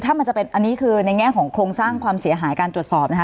อันนี้คือในแง่ของโครงสร้างความเสียหายการตรวจสอบนะครับ